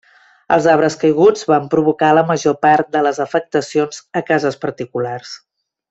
Els arbres caiguts van provocar la major part de les afectacions a cases particulars.